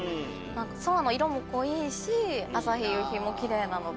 空の色も濃いし朝日夕日もキレイなので。